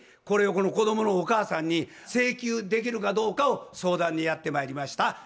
これをこの子供のお母さんに請求できるかどうかを相談にやってまいりました。